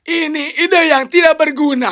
ini ide yang tidak berguna